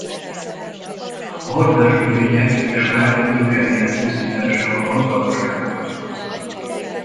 A hagymás növények és a fák gyökereinek pusztításával hatalmas károkat okoznak.